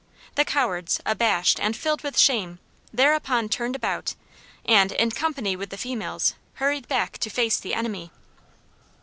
The cowards, abashed and filled with shame, thereupon turned about, and, in company with the females, hurried back to face the enemy.